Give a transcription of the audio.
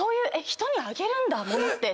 人にあげるんだ物って！